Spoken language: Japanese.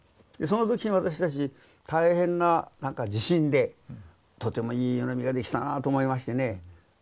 その時私たち大変な自信でとてもいい湯飲みができたなと思いましてね